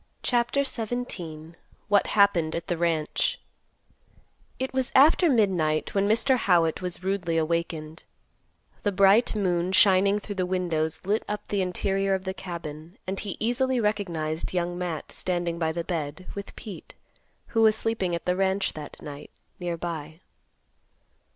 CHAPTER XVII. WHAT HAPPENED AT THE RANCH. It was after midnight when Mr. Howitt was rudely awakened. The bright moon shining through the windows lit up the interior of the cabin and he easily recognized Young Matt standing by the bed, with Pete, who was sleeping at the ranch that night, near by.